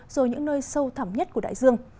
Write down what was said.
rồi những nơi sâu thẳm nhất của đại dương